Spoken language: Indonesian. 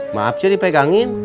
maaf cek dipegangin